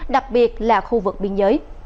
đặc biệt là khu vực biên giới